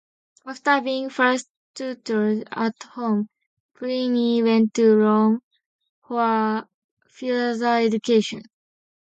After being first tutored at home, Pliny went to Rome for further education.